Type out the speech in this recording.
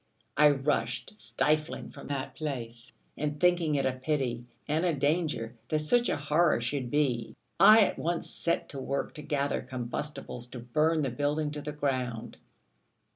I rushed stifling from that place; and thinking it a pity, and a danger, that such a horror should be, I at once set to work to gather combustibles to burn the building to the ground.